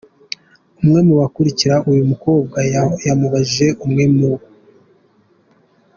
Umwe mu bakurikira uyu mukobwa yamubajije umwe mu